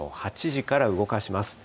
８時から動かします。